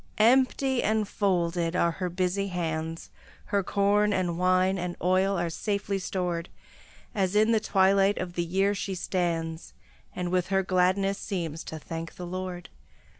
Empty and folded are her busy hands; Her corn and wine and oil are safely stored, As in the twilight of the year she stands, And with her gladness seems to thank the Lord.